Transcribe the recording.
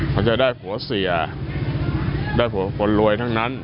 เขาจะได้ผัวเสียได้ผัวคนรวยทั้งนั้น